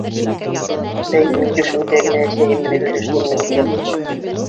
Бәй, мин төшөмдә генә әсәйем менән һөйләшкәнмен икән!